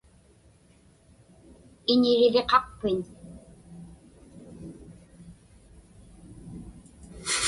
Iñiriviqaqpiñ?